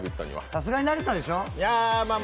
さすがに慣れたでしょ？